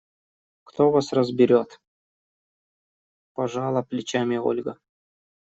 – Кто вас разберет! – пожала плечами Ольга.